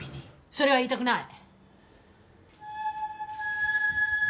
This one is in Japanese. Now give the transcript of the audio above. それは言いたくない！